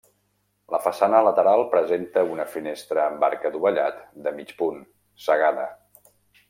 La façana lateral presenta una finestra amb arc adovellat de mig punt, cegada.